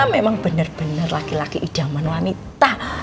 memang bener bener laki laki idaman wanita